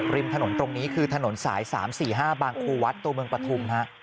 ริมถนนตรงนี้คือถนนสาย๓๔๕บางครูวัดตัวเมืองปฐุมฮะ